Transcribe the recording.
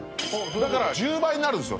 だから１０倍になるんすよ